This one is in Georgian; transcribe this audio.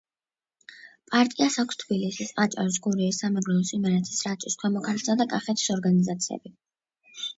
პარტიას აქვს თბილისის, აჭარის, გურიის, სამეგრელოს, იმერეთის, რაჭის, ქვემო ქართლისა და კახეთის ორგანიზაციები.